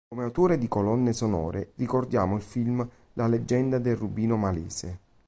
Come autore di colonne sonore ricordiamo il film "La leggenda del Rubino Malese".